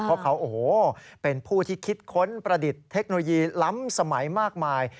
เพราะเขาโอ้โหเป็นผู้ที่คิดค้นประดิษฐ์เทคโนโลยีล้ำสมัยมากมาย